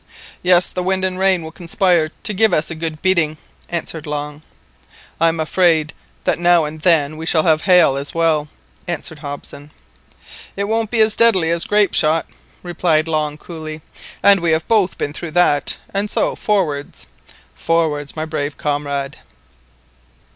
"Yes, the wind and rain will conspire to give us a good beating," answered Long. "I am afraid that now and then we shall have hail as well," added Hobson. "It won't be as deadly as grape shot," replied Long coolly, "and we have both been through that, and so forwards!" "Forwards, my brave comrade!"